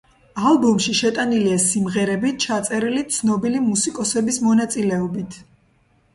ალბომში შეტანილია სიმღერები, ჩაწერილი ცნობილი მუსიკოსების მონაწილეობით.